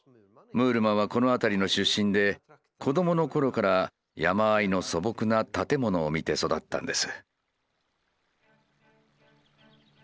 ムールマンはこの辺りの出身で子どもの頃から山あいの素朴な建物を見て育ったんです。